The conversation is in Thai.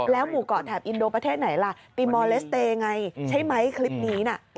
หมู่เกาะแถบอินโดประเทศไหนล่ะติมอลเลสเตย์ไงใช่ไหมคลิปนี้น่ะ